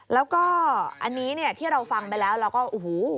แล้วก็อันนี้เนี่ยที่เราฟังไปแล้วเราก็โอ้โห